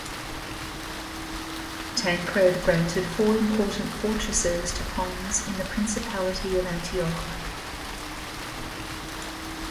Tancred granted four important fortresses to Pons in the Principality of Antioch.